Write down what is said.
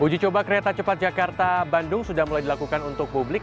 uji coba kereta cepat jakarta bandung sudah mulai dilakukan untuk publik